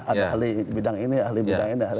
ada ahli bidang ini ahli bidang ini